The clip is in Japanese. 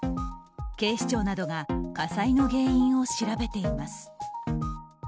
警視庁などが火災の原因を調べています。